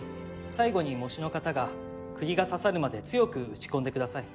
最後に喪主の方が釘が刺さるまで強く打ち込んでください。